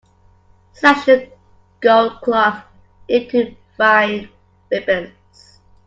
Slash the gold cloth into fine ribbons.